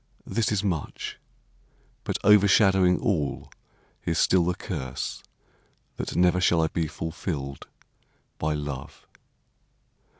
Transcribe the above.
This is much; But overshadowing all is still the curse, That never shall I be fulfilled by love!